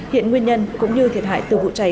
hiện nguyên nhân cũng như thiệt hại từ vụ cháy